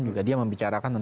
juga diadece pasal